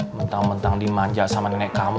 mentang mentang dimanja sama nenek kamu